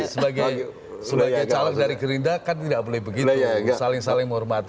sebagai calon dari gerindra kan tidak boleh begitu saling saling menghormati